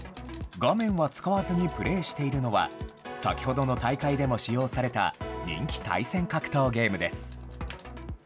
画面は使わずにプレイしているのは、先ほどの大会でも使用された人気対戦格闘ゲームです。